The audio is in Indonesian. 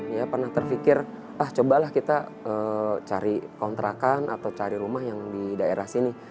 ya pernah terfikir ah cobalah kita cari kontrakan atau cari rumah yang di daerah sini